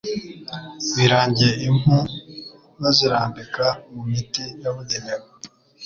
birangiye impu bazirambika mu miti yabugenewe